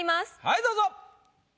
はいどうぞ。